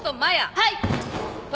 はい！